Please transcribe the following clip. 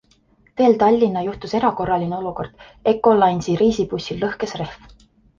Teel Tallinna juhtus erakorraline olukord - Ecolines'i reisibussil lõhkes rehv.